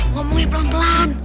ngomongnya pelan pelan